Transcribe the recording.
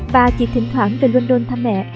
bà chỉ thỉnh thoảng về london thăm mẹ